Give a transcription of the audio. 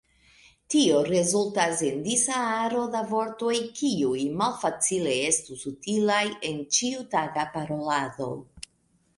Tio rezultas en disa aro da vortoj kiuj malfacile estus utilaj en ĉiutaga parolado.